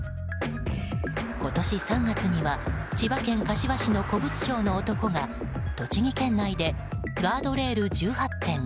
今年３月には千葉県柏市の古物商の男が栃木県内でガードレール１８点